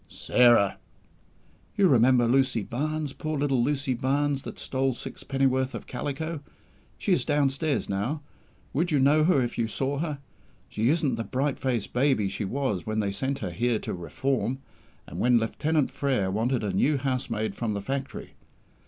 "Sarah!" "You remember Lucy Barnes poor little Lucy Barnes that stole sixpennyworth of calico. She is downstairs now. Would you know her if you saw her? She isn't the bright faced baby she was when they sent her here to 'reform', and when Lieutenant Frere wanted a new housemaid from the Factory!